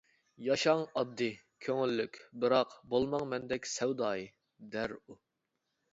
«ياشاڭ ئاددىي، كۆڭۈللۈك، بىراق، بولماڭ مەندەك سەۋدايى» دەر ئۇ.